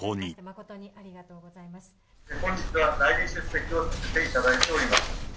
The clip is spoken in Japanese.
本日は代理出席をさせていただいております。